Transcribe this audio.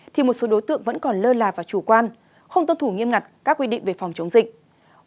thì một số đối tượng vẫn còn lơ là và chủ quan không tuân thủ nghiêm ngặt các quy định về phòng chống dịch